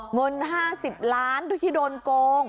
งน๕๐ล้านที่โดนโกง